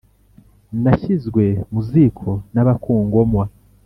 nashyizwe mu ziko n'abakungomwa,